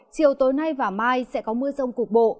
chiều tối nay và mai sẽ có mưa rông cục bộ